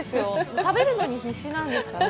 食べるのに必死なんですかね。